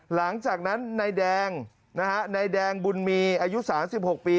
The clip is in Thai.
หลังจากนั้นนายแดงนะฮะนายแดงบุญมีอายุ๓๖ปี